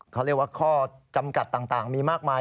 เขาเรียกว่าข้อจำกัดต่างมีมากมาย